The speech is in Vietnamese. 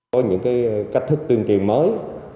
có những cách thức tuyên trì mới